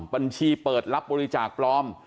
บัญชีเปิดรับบริจาคปลอม